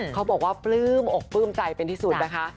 เขาบอกว่าปลื้มอกปลื้มใจเป็นที่สุดนะคะ